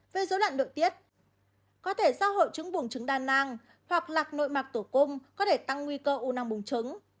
về dối loạn đội tiết có thể do hội chứng buồng trứng đa năng hoặc lạc nội mạc tổ cung có thể tăng nguy cơ u năng buồng trứng